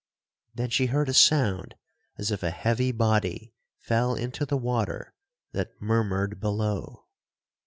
—Then she heard a sound as if a heavy body fell into the water that murmured below.